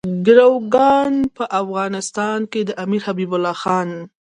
ګریګوریان په افغانستان کې د امیر حبیب الله خان.